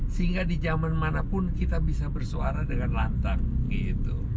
sehingga di zaman manapun kita bisa bersuara dengan lantang gitu